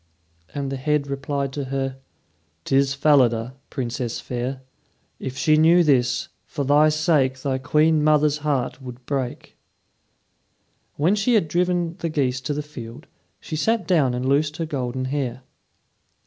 And the head replied to her: "'Tis Falada, Princess fair. If she knew this, for thy sake Thy queen mother's heart would break." When she had driven the geese to the field, she sat down and loosed her golden hair.